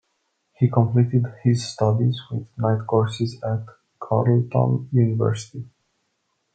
He completed his studies with night courses at Carleton University.